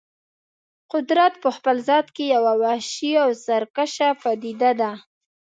قدرت په خپل ذات کې یوه وحشي او سرکشه پدیده ده.